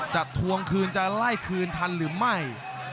ทวงคืนจะไล่คืนทันหรือไม่